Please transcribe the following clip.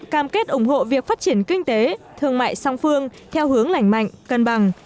cam kết ủng hộ việc phát triển kinh tế thương mại song phương theo hướng lành mạnh cân bằng